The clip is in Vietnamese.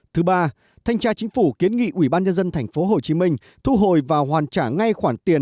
thứ ba thanh tra chính phủ kiến nghị ủy ban nhân dân tp hcm thu hồi và hoàn trả ngay khoản tiền